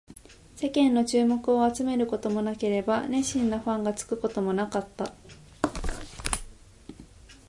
世間の注目を集めることもなければ、熱心なファンがつくこともなかった